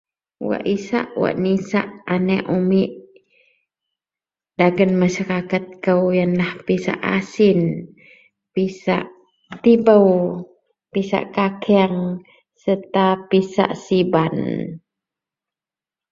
wak isak wak nisak aneak umeak dagen masyarakat kou ienlah pisak asin pisak tibou pisak kakang, serta pisak siban